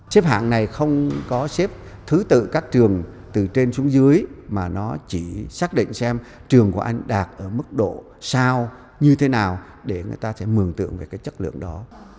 xếp hạng này không có xếp thứ tự các trường từ trên xuống dưới mà nó chỉ xác định xem trường của anh đạt ở mức độ